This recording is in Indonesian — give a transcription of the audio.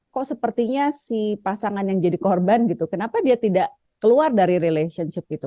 kok sepertinya si pasangan yang jadi korban gitu kenapa dia tidak keluar dari relationship itu